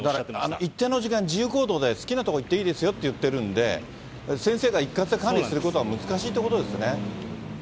だから一定の時間、自由行動で好きな所行っていいですよって言ってるんで、先生が一括で管理することは難しいってことですね。